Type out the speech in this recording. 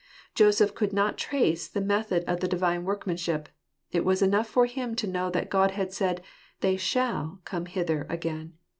Joseph could not trace the method of the Divine workmanship : it was enough for him to know that God had said, " They shall come hither again."